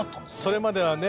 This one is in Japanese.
それまではね。